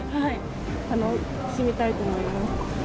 楽しみたいと思います。